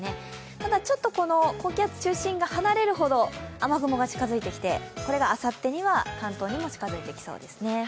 ただちょっと高気圧中心が離れるほど、雨雲が近づいてきてこれがあさってには関東にも近づいてきそうですね。